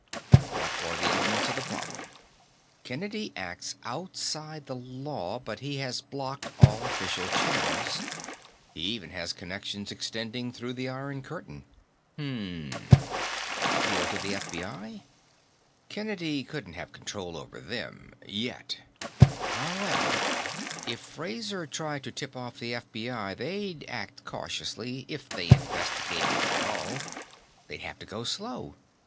What are the elements of the problem? Kennedy acts outside the law, but he has blocked all official channels. He even has connections extending through the Iron Curtain. Hmmmm appeal to the FBI? Kennedy couldn't have control over them yet. However, if Fraser tried to tip off the FBI, they'd act cautiously, if they investigated at all. They'd have to go slow.